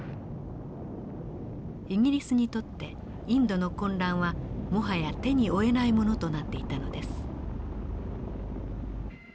イギリスにとってインドの混乱はもはや手に負えないものとなっていたのです。